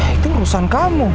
ya itu urusan kamu